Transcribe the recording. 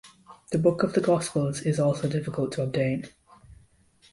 "The Book of the Gospels" is also difficult to obtain.